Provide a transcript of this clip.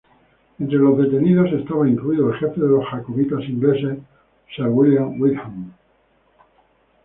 Entre los detenidos estaba incluido el jefe de los Jacobitas ingleses, Sir William Wyndham.